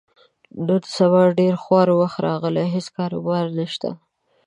نن سبا ډېر خوار وخت راغلی، هېڅ کاروبار نشته.